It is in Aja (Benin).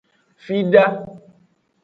Fida.